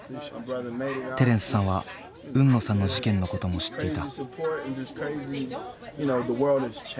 テレンスさんは海野さんの事件のことも知っていた。